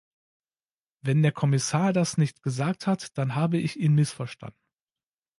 Wenn der Kommissar das nicht gesagt hat, dann habe ich ihn missverstanden.